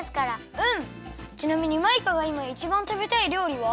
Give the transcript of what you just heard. ちなみにマイカがいまいちばんたべたいりょうりは？